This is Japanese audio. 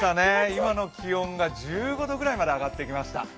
今の気温が１５度くらいまで上がってきました。